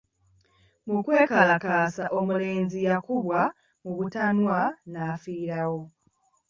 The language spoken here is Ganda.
Mu kwekalakaasa omulenzi yakubwa mu butanwa n'afiirawo.